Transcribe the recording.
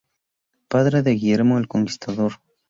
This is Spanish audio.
Padre de Guillermo el Conquistador.